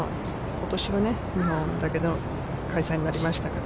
ことしは日本だけでの開催になりましたから。